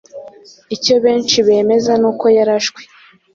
icyo benshi bemeza ni uko yarashwe